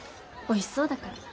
おいしそうだから。